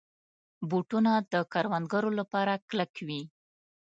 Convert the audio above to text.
بوټونه د کروندګرو لپاره کلک وي.